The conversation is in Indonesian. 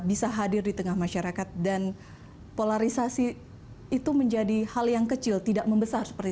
bisa hadir di tengah masyarakat dan polarisasi itu menjadi hal yang kecil tidak membesar seperti